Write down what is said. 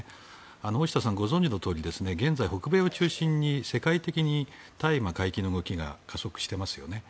大下さん、ご存じのとおり現在、北米を中心に世界的に大麻解禁の動きが加速していますよね。